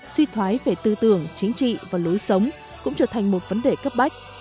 suy thoái về tư tưởng chính trị và lối sống cũng trở thành một vấn đề cấp bách